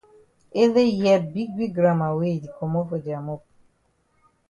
Ele hear big big gramma wey e di komot for dia mop.